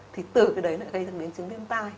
thì từ cái đấy lại gây ra biến chứng viêm tai